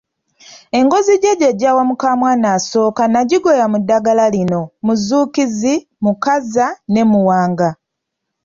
Engozi jajja gy’awa mukamwana asooka n’agigoya mu ddagala lino; muzuukizi, mukaza ne muwanga.